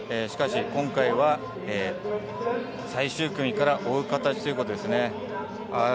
しかし今回は、最終組から追う形ということですね。